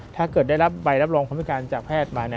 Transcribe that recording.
ถ้าเกิดได้รับใบรับรองความพิการจากแพทย์มา